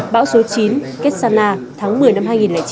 bão số chín kessana tháng một mươi năm hai nghìn chín